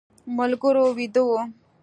ملګري ویده و.